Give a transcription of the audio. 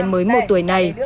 mới một tuổi này